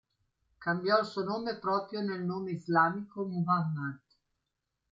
Cambiò il suo nome proprio nel nome islamico "Muḥammad".